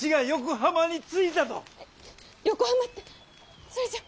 横浜ってそれじゃあ。